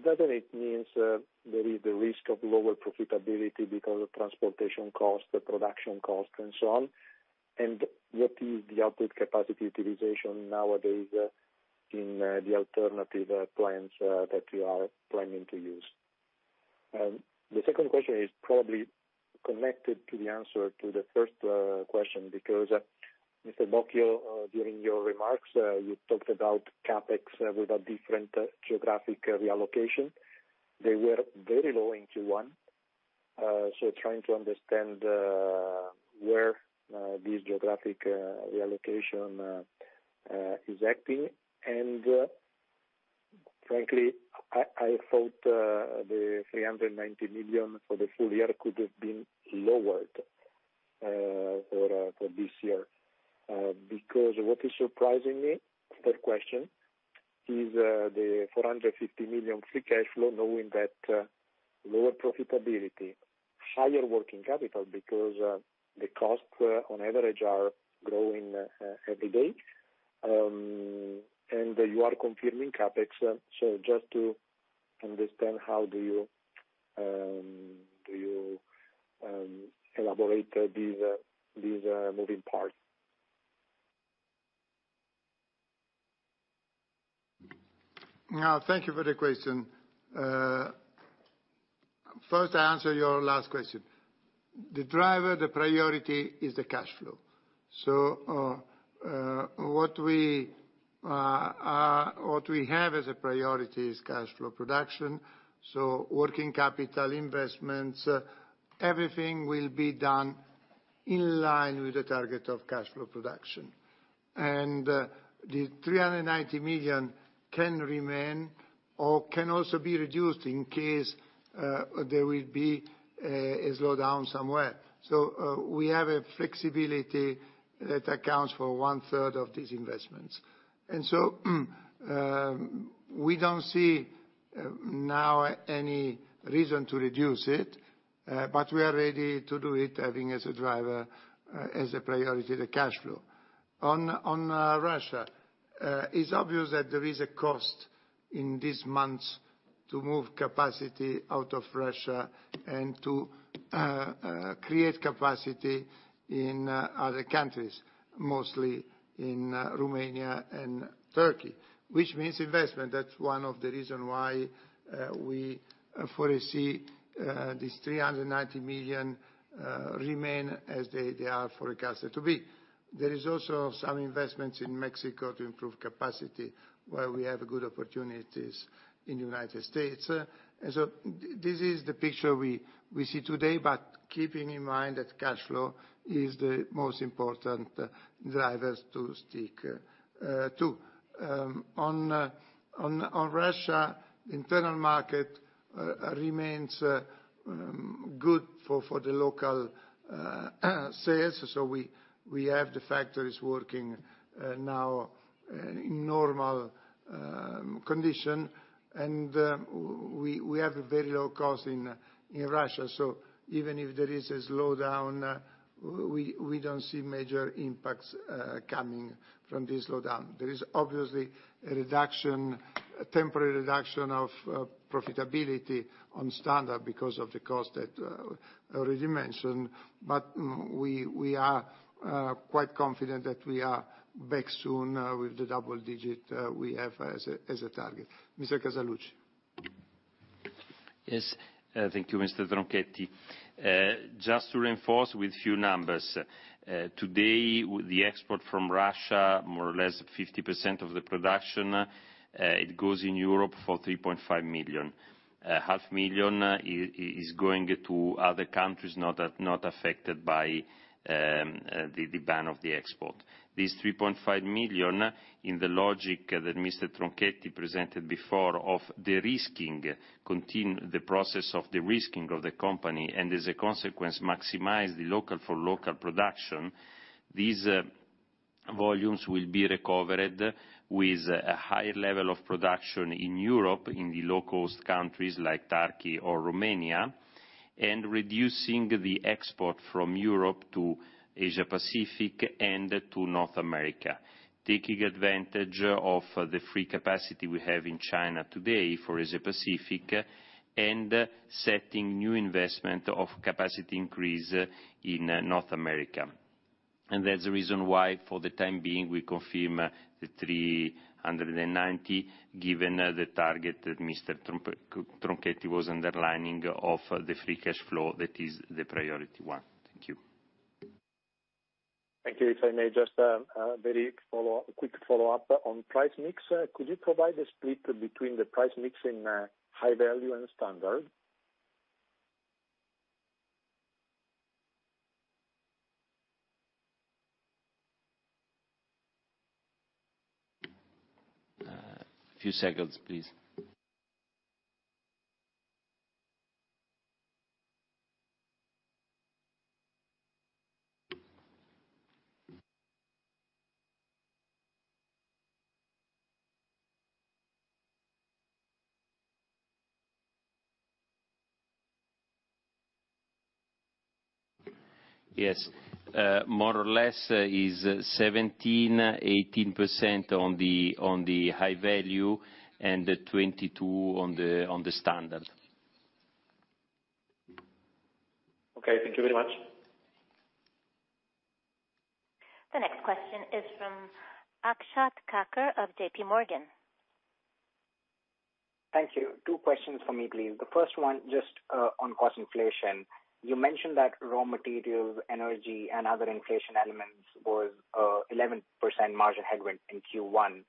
Speaker 8: Doesn't it mean there is the risk of lower profitability because of transportation costs, the production costs, and so on? What is the output capacity utilization nowadays in the alternative plans that you are planning to use? The second question is probably connected to the answer to the first question because, Mr. Bocchio, during your remarks, you talked about CapEx with a different geographic reallocation. They were very low in Q1. Trying to understand where this geographic reallocation is acting. Frankly, I thought the 390 million for the full year could have been lowered for this year. Because what is surprising me, third question, is the 450 million free cash flow, knowing that lower profitability, higher working capital, because the costs on average are growing every day, and you are confirming CapEx. Just to understand, how do you elaborate these moving parts?
Speaker 1: Thank you for the question. First, I answer your last question. The driver, the priority, is the cash flow. What we have as a priority is cash flow production, so working capital, investments, everything will be done in line with the target of cash flow production. The 390 million can remain or can also be reduced in case there will be a slowdown somewhere. We have a flexibility that accounts for one-third of these investments. We don't see now any reason to reduce it, but we are ready to do it, having as a driver, as a priority, the cash flow. Russia, it's obvious that there is a cost in this month to move capacity out of Russia and to create capacity in other countries, mostly in Romania and Turkey, which means investment. That's one of the reason why we foresee this 390 million remain as they are forecasted to be. There is also some investments in Mexico to improve capacity where we have good opportunities in United States. This is the picture we see today, but keeping in mind that cash flow is the most important drivers to stick to. On Russia, internal market remains good for the local sales. We have the factories working now in normal condition. We have a very low cost in Russia. Even if there is a slowdown, we don't see major impacts coming from this slowdown. There is obviously a reduction, a temporary reduction of profitability on standard because of the cost that already mentioned. We are quite confident that we are back soon with the double digit we have as a target. Mr. Casaluci.
Speaker 2: Yes. Thank you, Mr. Tronchetti. Just to reinforce with a few numbers. Today, the export from Russia, more or less 50% of the production, it goes in Europe for 3.5 million. Half million is going to other countries not affected by the ban of the export. These 3.5 million, in the logic that Mr. Tronchetti presented before of de-risking, the process of de-risking of the company, and as a consequence, maximize the local for local production. These volumes will be recovered with a high level of production in Europe, in the low-cost countries like Turkey or Romania, and reducing the export from Europe to Asia Pacific and to North America. Taking advantage of the free capacity we have in China today for Asia Pacific, and setting new investment of capacity increase in North America. That's the reason why, for the time being, we confirm 390, given the target that Mr. Tronchetti was underlining of the free cash flow that is the priority one. Thank you.
Speaker 8: Thank you. If I may just quick follow up on price mix. Could you provide the split between the price mix in High Value and standard?
Speaker 2: A few seconds, please. Yes. More or less is 17%-18% on the High Value and 22% on the standard.
Speaker 8: Okay. Thank you very much.
Speaker 4: The next question is from Akshat Kacker of JPMorgan.
Speaker 9: Thank you. Two questions for me, please. The first one, just on cost inflation. You mentioned that raw materials, energy and other inflation elements was 11% margin headwind in Q1.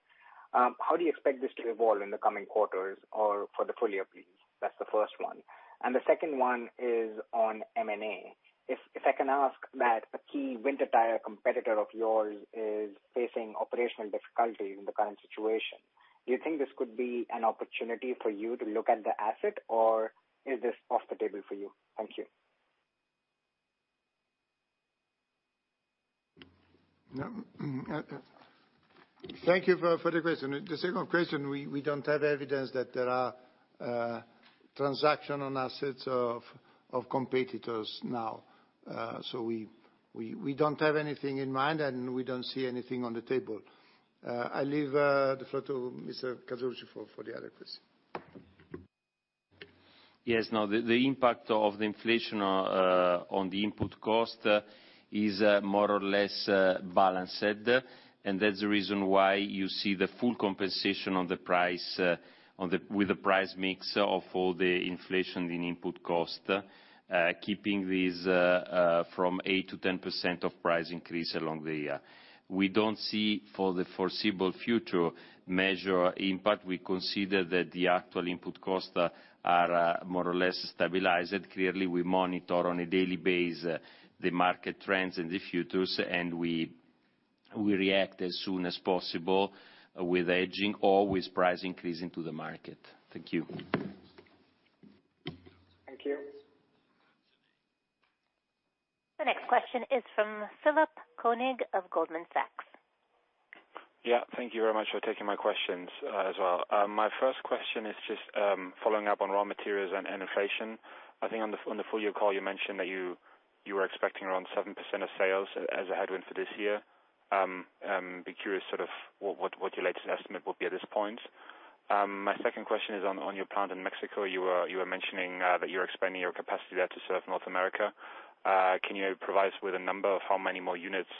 Speaker 9: How do you expect this to evolve in the coming quarters or for the full year, please? That's the first one. The second one is on M&A. If I can ask that a key winter tire competitor of yours is facing operational difficulties in the current situation, do you think this could be an opportunity for you to look at the asset or is this off the table for you? Thank you.
Speaker 1: No. Thank you for the question. The second question, we don't have evidence that there are transaction on assets of competitors now. We don't have anything in mind, and we don't see anything on the table. I leave the floor to Mr. Casaluci for the other question.
Speaker 2: Yes. No, the impact of the inflation on the input cost is more or less balanced. That's the reason why you see the full compensation on the price with the price mix of all the inflation in input cost, keeping these from 8%-10% price increase along the year. We don't see for the foreseeable future material impact. We consider that the actual input costs are more or less stabilized. Clearly, we monitor on a daily basis the market trends in the futures, and we react as soon as possible with hedging or with price increase into the market. Thank you.
Speaker 9: Thank you.
Speaker 4: The next question is from Philipp Koenig of Goldman Sachs.
Speaker 10: Yeah. Thank you very much for taking my questions, as well. My first question is just following up on raw materials and inflation. I think on the full year call you mentioned that you were expecting around 7% of sales as a headwind for this year. I'd be curious sort of what your latest estimate will be at this point. My second question is on your plant in Mexico. You were mentioning that you're expanding your capacity there to serve North America. Can you provide us with a number of how many more units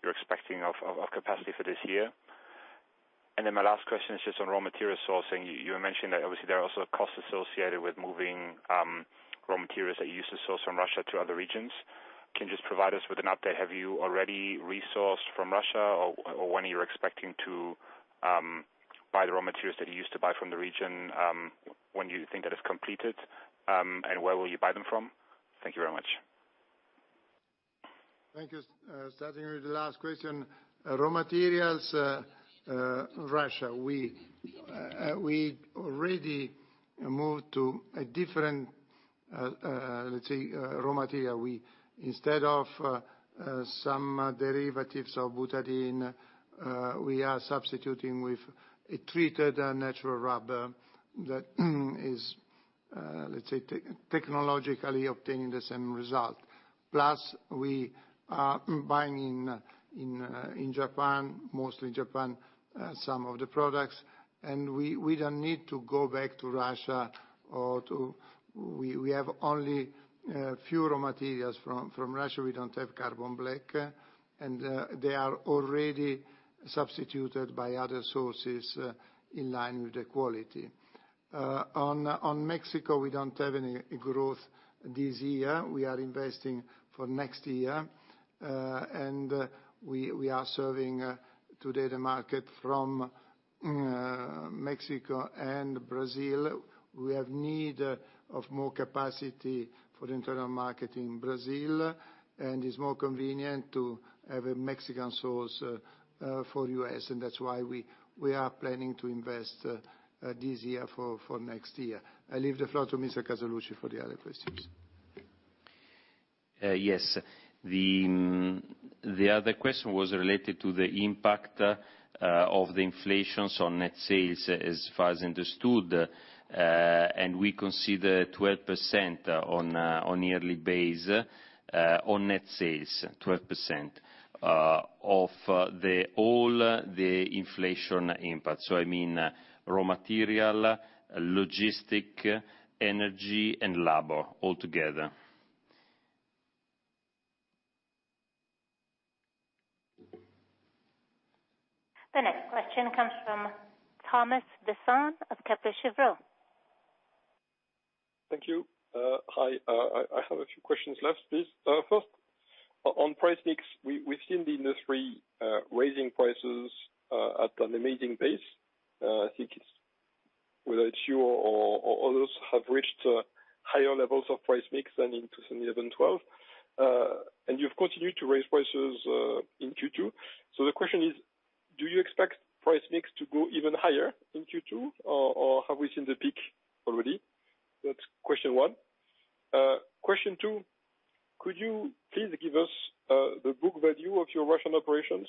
Speaker 10: you're expecting of capacity for this year? My last question is just on raw material sourcing. You mentioned that obviously there are also costs associated with moving raw materials that you used to source from Russia to other regions. Can you just provide us with an update? Have you already sourced from Russia, or when are you expecting to buy the raw materials that you used to buy from the region, when you think that is completed, and where will you buy them from? Thank you very much.
Speaker 1: Thank you. Starting with the last question, raw materials, Russia, we already moved to a different, let's say, raw material. Instead of some derivatives of butadiene, we are substituting with a treated natural rubber that is, let's say, technologically obtaining the same result. Plus we are buying in Japan, mostly Japan, some of the products. We don't need to go back to Russia or to. We have only few raw materials from Russia. We don't have carbon black. They are already substituted by other sources in line with the quality. On Mexico, we don't have any growth this year. We are investing for next year. We are serving today the market from Mexico and Brazil. We have need of more capacity for the internal market in Brazil, and it's more convenient to have a Mexican source for U.S. That's why we are planning to invest this year for next year. I leave the floor to Mr. Casaluci for the other questions.
Speaker 2: The other question was related to the impact of the inflation on net sales as far as understood. We consider 12% on a yearly basis on net sales, 12% of all the inflation impact. I mean raw material, logistics, energy and labor all together.
Speaker 4: The next question comes from Thomas Besson of Kepler Cheuvreux.
Speaker 11: Thank you. Hi, I have a few questions left please. First on price mix, we've seen the industry raising prices at an amazing pace. I think whether it's you or others have reached higher levels of price mix than in 2017. You've continued to raise prices in Q2. The question is, do you expect price mix to go even higher in Q2 or have we seen the peak already? That's question one. Question two, could you please give us the book value of your Russian operations?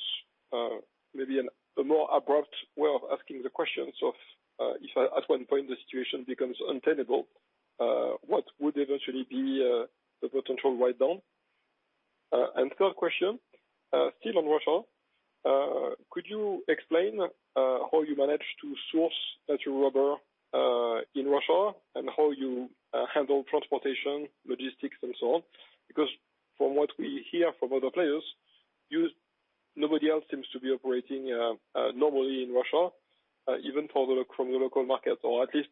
Speaker 11: Maybe a more abrupt way of asking the question. If at one point the situation becomes untenable, what would eventually be the potential write down? Third question, still on Russia. Could you explain how you manage to source natural rubber in Russia and how you handle transportation, logistics and so on? Because from what we hear from other players, nobody else seems to be operating normally in Russia, even from the local markets, or at least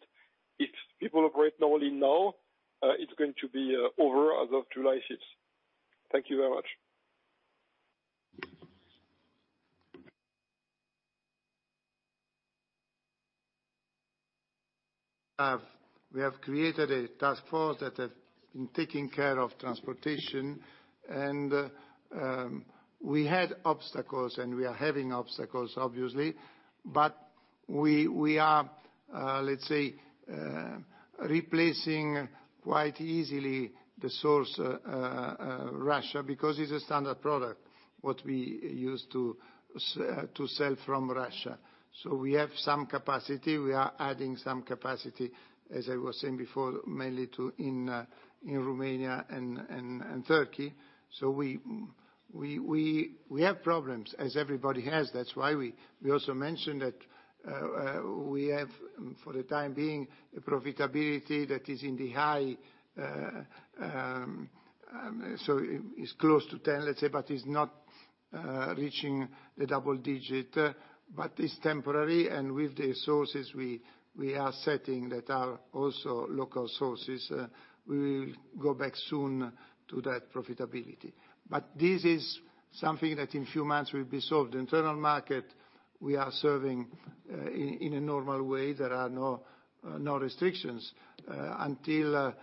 Speaker 11: if people operate normally now, it's going to be over as of July sixth. Thank you very much.
Speaker 1: We have created a task force that have been taking care of transportation, and we had obstacles, and we are having obstacles obviously, but we are, let's say, replacing quite easily the source, Russia, because it's a standard product, what we use to source from Russia. We have some capacity. We are adding some capacity, as I was saying before, mainly in Romania and Turkey. We have problems as everybody has. That's why we also mentioned that we have, for the time being, a profitability that is in the high, so it's close to 10%, let's say, but it's not reaching the double digit. It's temporary and with the sources we are setting that are also local sources, we will go back soon to that profitability. This is something that in few months will be solved. Internal market we are serving in a normal way. There are no restrictions until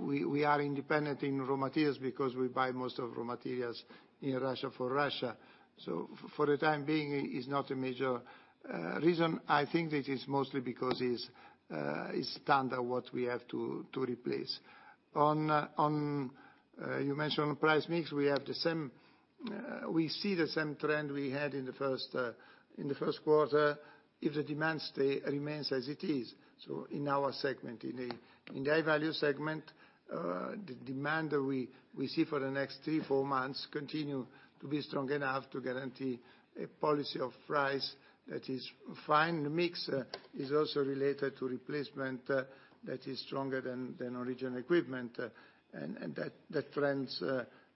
Speaker 1: we are independent in raw materials because we buy most of raw materials in Russia for Russia. For the time being, it's not a major reason. I think that it's mostly because it's standard what we have to replace. You mentioned on price mix, we see the same trend we had in the first quarter if the demand remains as it is. In our segment, in the High Value segment, the demand we see for the next 3-4 months continue to be strong enough to guarantee a pricing policy that is fine. The mix is also related to replacement that is stronger than original equipment. That trends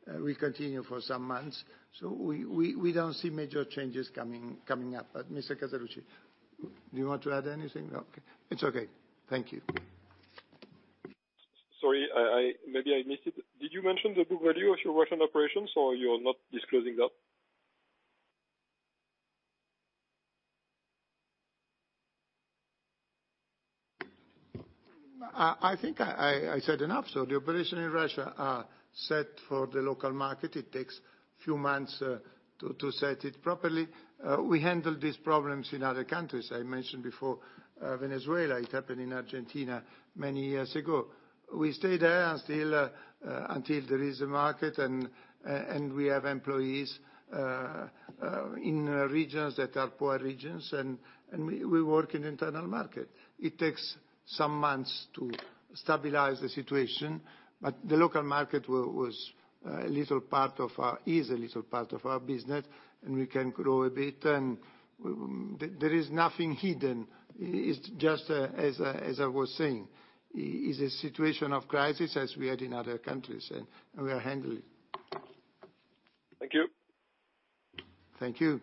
Speaker 1: will continue for some months. We don't see major changes coming up. Mr. Casaluci, do you want to add anything? No. Okay. It's okay. Thank you.
Speaker 11: Sorry, maybe I missed it. Did you mention the book value of your Russian operations or you're not disclosing that?
Speaker 1: I think I said enough. The operation in Russia is set for the local market. It takes few months to set it properly. We handle these problems in other countries. I mentioned before, Venezuela. It happened in Argentina many years ago. We stay there and still until there is a market and we have employees in regions that are poor regions and we work in internal market. It takes some months to stabilize the situation, but the local market is a little part of our business, and we can grow a bit and there is nothing hidden. It's just as I was saying is a situation of crisis as we had in other countries and we are handling.
Speaker 11: Thank you.
Speaker 1: Thank you.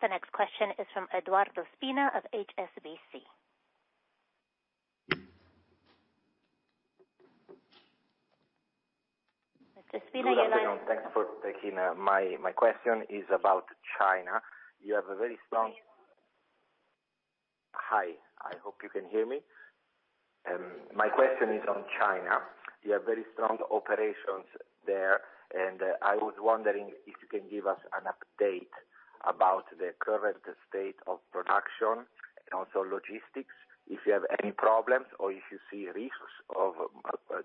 Speaker 4: The next question is from Edoardo Spina of HSBC. Mr. Spina, you may ask.
Speaker 12: Thanks for taking my question is about China. You have a very strong- Hi. I hope you can hear me. My question is on China. You have very strong operations there, and I was wondering if you can give us an update about the current state of production and also logistics, if you have any problems or if you see risks of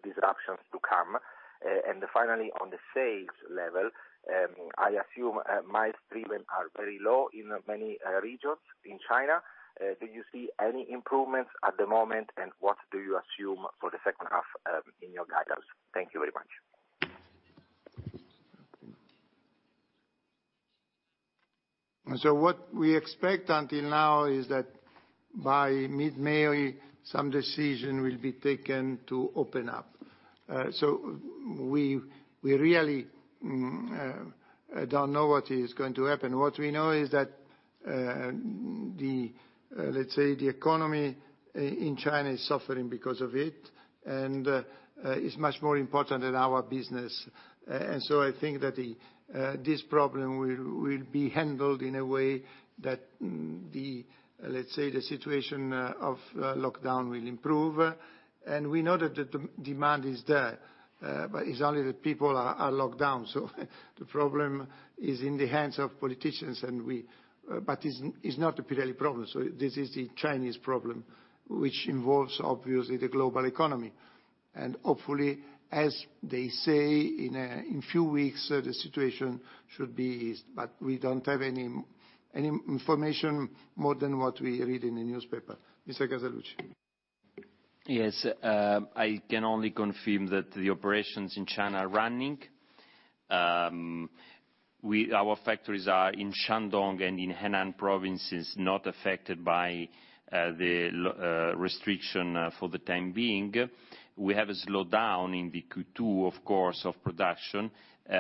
Speaker 12: disruptions to come. And finally, on the sales level, I assume miles driven are very low in many regions in China. Do you see any improvements at the moment, and what do you assume for the second half in your guidance? Thank you very much.
Speaker 1: What we expect until now is that by mid-May some decision will be taken to open up. We really don't know what is going to happen. What we know is that the economy in China is suffering because of it, and it's much more important than our business. I think that this problem will be handled in a way that the situation of lockdown will improve. We know that the demand is there, but it's only that people are locked down. The problem is in the hands of politicians and we. It's not a Pirelli problem. This is the Chinese problem which involves, obviously, the global economy. Hopefully, as they say, in a few weeks, the situation should be eased. We don't have any information more than what we read in the newspaper. Mr. Casaluci?
Speaker 2: Yes. I can only confirm that the operations in China are running. Our factories are in Shandong and in Henan provinces, not affected by the restriction for the time being. We have a slowdown in the Q2, of course, of production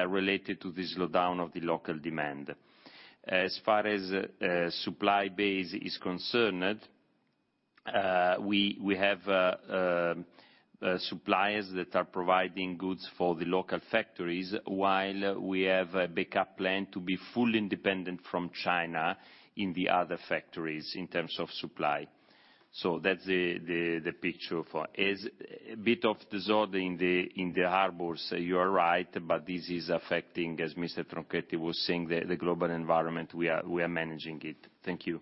Speaker 2: related to the slowdown of the local demand. As far as supply base is concerned, we have suppliers that are providing goods for the local factories while we have a backup plan to be fully independent from China in the other factories in terms of supply. That's the picture. There is a bit of disorder in the harbors, you are right, but this is affecting, as Mr. Tronchetti was saying, the global environment. We are managing it. Thank you.
Speaker 12: Thank you.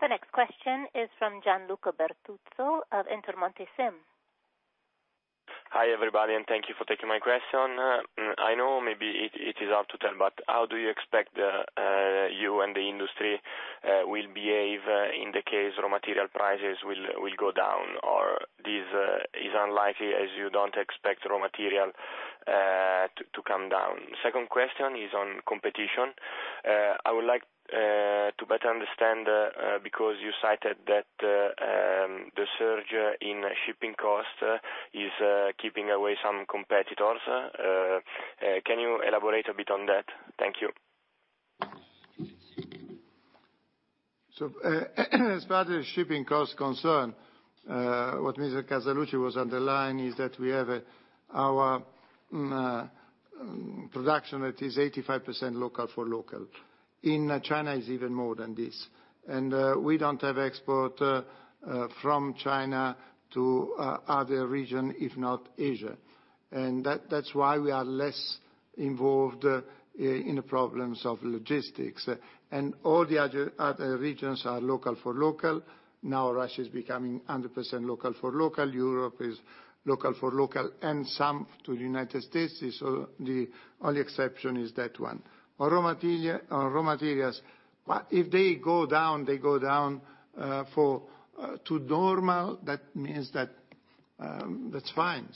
Speaker 4: The next question is from Gianluca Bertuzzo of Intermonte SIM.
Speaker 13: Hi, everybody, and thank you for taking my question. I know maybe it is hard to tell, but how do you expect you and the industry will behave in the case raw material prices will go down? Or this is unlikely, as you don't expect raw material to come down. Second question is on competition. I would like to better understand because you cited that the surge in shipping costs is keeping away some competitors. Can you elaborate a bit on that? Thank you.
Speaker 1: As far as shipping costs are concerned, what Mr. Casaluci was underlining is that we have our production that is 85% local for local. In China, it's even more than this. We don't have export from China to other region, if not Asia. That's why we are less involved in the problems of logistics. All the other regions are local for local. Now Russia is becoming 100% local for local. Europe is local for local, and some to the United States. The only exception is that one. Raw materials, what if they go down, they go down to normal. That means that. That's fine.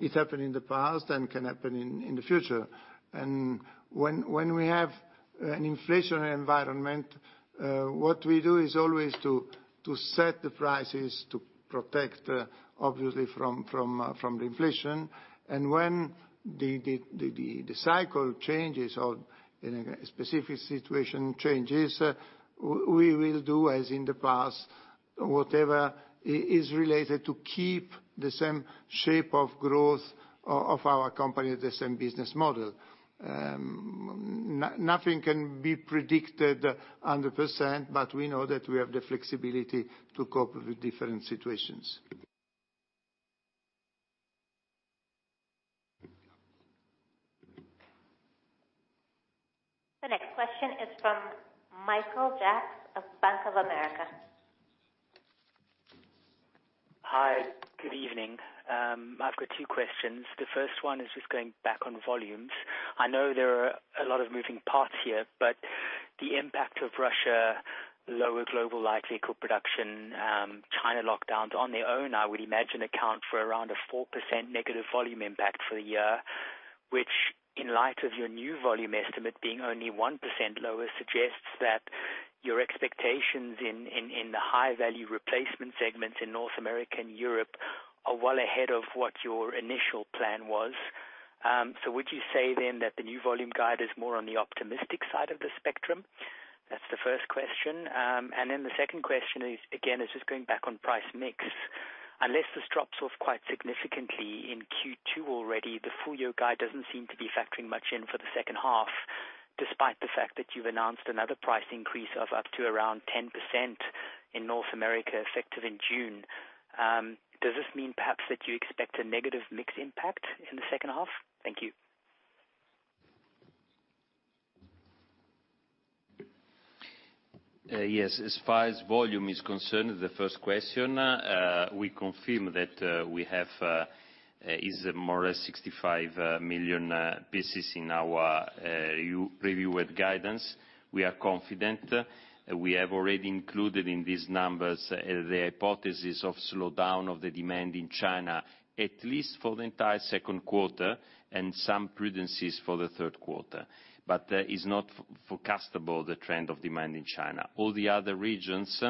Speaker 1: It happened in the past and can happen in the future. When we have an inflationary environment, what we do is always to set the prices to protect obviously from the inflation. When the cycle changes or in a specific situation changes, we will do as in the past, whatever is related to keep the same shape of growth of our company, the same business model. Nothing can be predicted 100%, but we know that we have the flexibility to cope with different situations.
Speaker 4: The next question is from Michael Jacques of Bank of America.
Speaker 14: Hi, good evening. I've got two questions. The first one is just going back on volumes. I know there are a lot of moving parts here, but the impact of Russia, lower global light vehicle production, China lockdowns on their own, I would imagine account for around a 4% negative volume impact for the year, which in light of your new volume estimate being only 1% lower, suggests that your expectations in the High Value replacement segments in North America and Europe are well ahead of what your initial plan was. Would you say then that the new volume guide is more on the optimistic side of the spectrum? That's the first question. The second question is, again, just going back on price mix. Unless this drops off quite significantly in Q2 already, the full year guide doesn't seem to be factoring much in for the second half, despite the fact that you've announced another price increase of up to around 10% in North America, effective in June. Does this mean perhaps that you expect a negative mix impact in the second half? Thank you.
Speaker 2: Yes. As far as volume is concerned, the first question, we confirm that we have, which is more or less 65 million pieces in our updated guidance. We are confident. We have already included in these numbers the hypothesis of slowdown of the demand in China, at least for the entire second quarter and some prudence for the third quarter. It is not forecastable the trend of demand in China. All the other regions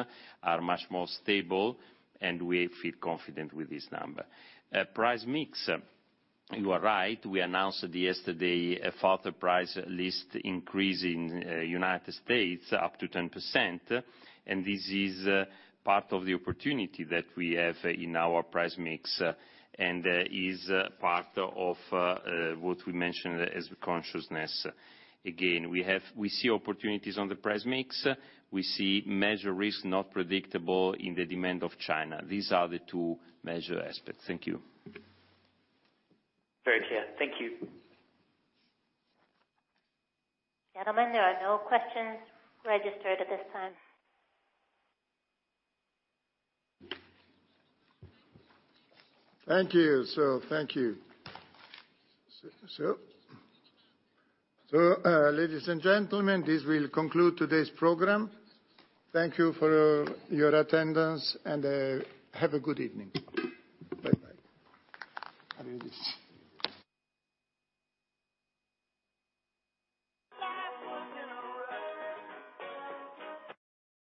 Speaker 2: are much more stable, and we feel confident with this number. Price mix, you are right. We announced yesterday a further price list increase in the United States up to 10%. This is part of the opportunity that we have in our price mix, and it is part of what we mentioned as contingency. We see opportunities on the price mix. We see major risk not predictable in the demand of China. These are the two major aspects. Thank you.
Speaker 14: Very clear. Thank you.
Speaker 4: Gentlemen, there are no questions registered at this time.
Speaker 1: Thank you. Thank you. Ladies and gentlemen, this will conclude today's program. Thank you for your attendance and have a good evening. Bye-bye. Adios.